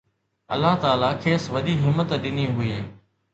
الله تعاليٰ کيس وڏي همت ڏني هئي